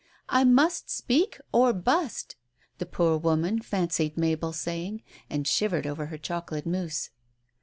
" I must speak, or burst !" the poor woman fancied Mabel saying, and shivered over her chocolate mousse.